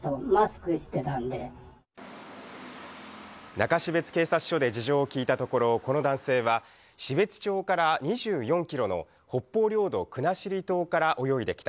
中標津警察署で事情を聴いたところ、この男性は標津町から２４ｋｍの北方領土・国後島から泳いできた。